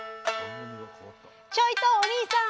ちょいとおにいさん！